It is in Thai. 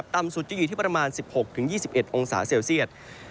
ต่ำสุดจะอยู่ที่ประมาณ๑๖๒๑องศาเซลเซียต